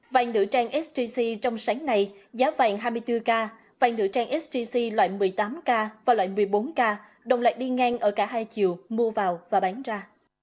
vàng nữ trang sgc trong sáng nay giá vàng hai mươi bốn k vàng nữ trang sgc loại một mươi tám k và loại một mươi bốn k đồng lại đi ngang ở cả hai chiều mua vào và bán ra